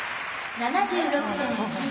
７６．１４。